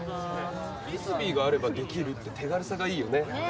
フリスビーがあればできるって手軽さがいいよね。